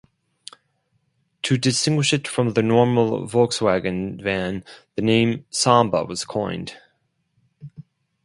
To distinguish it from the normal Volkswagen van the name "Samba" was coined.